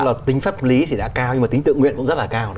tức là tính pháp lý thì đã cao nhưng mà tính tự nguyện cũng rất là cao